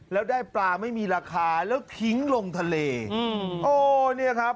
แล้วได้ปลาไม่มีราคาแล้วทิ้งลงทะเลอืมโอ้เนี่ยครับ